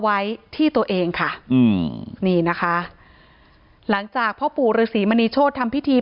ไว้ที่ตัวเองค่ะอืมนี่นะคะหลังจากพ่อปู่ฤษีมณีโชธทำพิธี